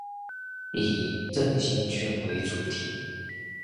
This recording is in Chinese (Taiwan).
以振興券為主題